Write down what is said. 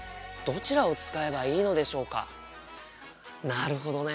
なるほどね。